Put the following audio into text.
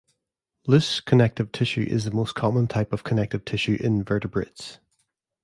Loose connective tissue is the most common type of connective tissue in vertebrates.